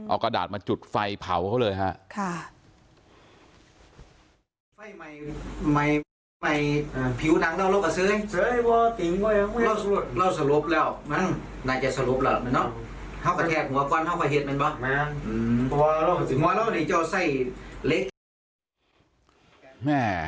เอากระดาษมาจุดไฟเผาเขาเลยฮะ